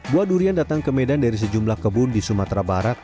buah durian datang ke medan dari sejumlah kebun di sumatera barat